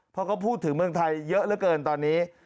เพราะเขาพูดถึงเมืองไทยเยอะเหลือเกินตอนนี้